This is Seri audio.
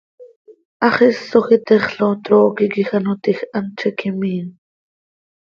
Hax isoj itexl oo, trooqui quij ano tiij, hant z iiqui miin.